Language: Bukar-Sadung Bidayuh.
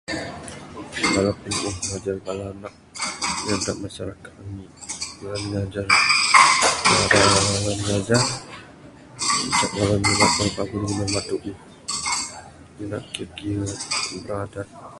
Bala binuuh ngajar bala anak inya da masyarakat ami dak ngajah ngancak bala ne paguh dengan namba tuuh nyenda kiye kiye biradat.